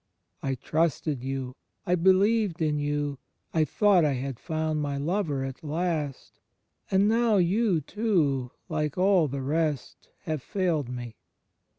"I trusted You; I believed in You; I thought I had foimd my Lover at last. And now You too, like all the rest, have failed me."